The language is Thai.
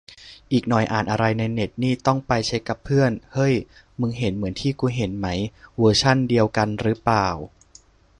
อีกหน่อยอ่านอะไรในเน็ตนี่ต้องไปเช็คกับเพื่อน เฮ้ย มึงเห็นเหมือนที่กูเห็นไหม เวอร์ชันเดียวกันรึเปล่า